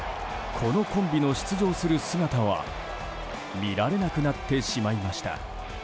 このコンビの出場する姿は見られなくなってしまいました。